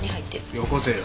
よこせよ。